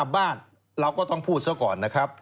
บ้านเราก็ต้องพูดซะก่อนนะครับ